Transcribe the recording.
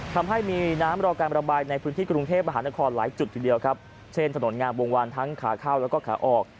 ทำให้มีน้ำรอการระบายในพื้นที่กรุงเทพมหานครหลายจุดทีเดียวครับเช่นถนนงามวงวานทั้งขาเข้าแล้วก็ขาออก